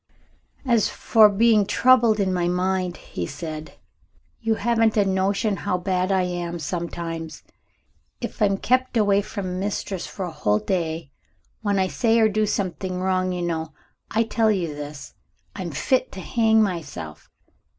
"And as for being troubled in my mind," he said, "you haven't a notion how bad I am sometimes. If I'm kept away from Mistress for a whole day when I say or do something wrong, you know I tell you this, I'm fit to hang myself!